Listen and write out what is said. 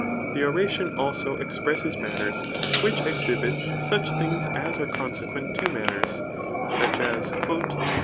The oration also expresses manners, which exhibits such things as are consequent to manners } such as> *^ That CSXP.